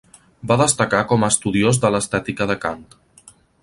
Va destacar com a estudiós de l'estètica de Kant.